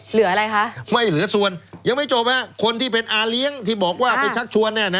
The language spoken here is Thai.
เหลืออะไรคะไม่เหลือส่วนยังไม่จบคนที่เป็นอาเลี้ยงที่บอกว่าไปชักชวนเนี่ยนะ